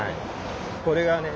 これがね